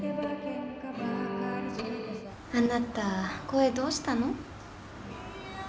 あなた声どうしたの？